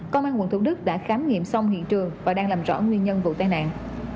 công an quận thủ đức đã khám nghiệm xong hiện trường và đang làm rõ nguyên nhân vụ tai nạn